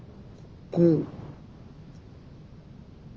こう。